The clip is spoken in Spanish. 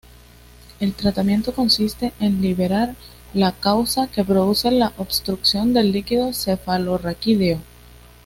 El tratamiento consiste en liberar la causa que produce la obstrucción del líquido cefalorraquídeo.